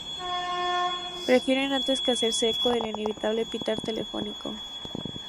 prefieren antes que hacerse eco del inevitable pitar telefónico